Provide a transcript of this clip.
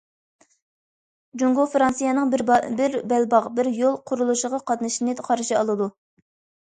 جۇڭگو فىرانسىيەنىڭ« بىر بەلباغ، بىر يول» قۇرۇلۇشىغا قاتنىشىشىنى قارشى ئالىدۇ.